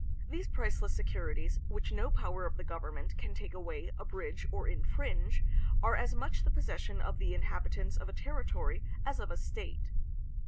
These priceless securities, which no power of the government can take away, abridge, or in fringe, are as much the possession of the inhabitants of a territory as of a state.